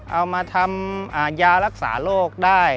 เอามาทำยารักษาโรคได้